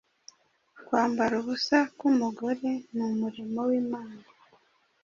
Kwambara ubusa k'umugore ni umurimo w'Imana.